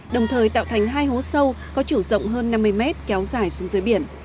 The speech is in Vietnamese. đồng thời tạo thành hai hố sâu có chiều rộng hơn năm mươi mét kéo dài xuống dưới biển